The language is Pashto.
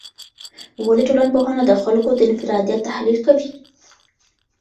ولي ټولنپوهنه د خلګو د انفرادیت تحلیل کوي؟